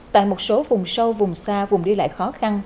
tại một số vùng sâu vùng xa vùng đi lại khó khăn